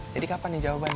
jadi kapan nih jawabannya